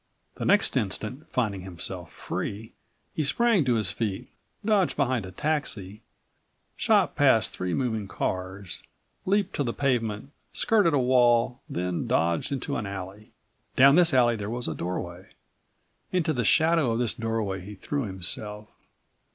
The next instant, finding himself free, he sprang to his feet, dodged behind a taxi, shot past three moving cars, leaped to the pavement, skirted a wall, then dodged into an alley. Down this alley there was a doorway. Into the shadow of this doorway he threw himself.